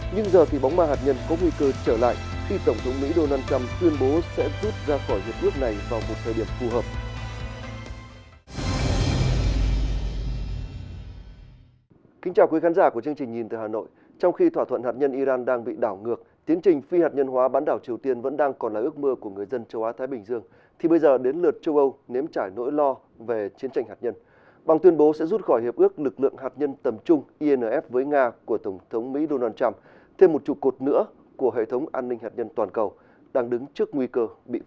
nhưng giờ thì bóng ma hạt nhân có nguy cơ trở lại khi tổng thống mỹ donald trump tuyên bố sẽ rút ra khỏi hiệp ước này vào một thời điểm phù hợp